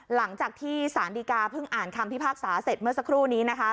หลังจากที่สารดีกาเพิ่งอ่านคำพิพากษาเสร็จเมื่อสักครู่นี้นะคะ